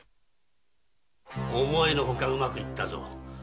思いのほかうまくいったぞ。